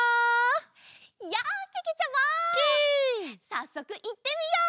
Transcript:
さっそくいってみよう！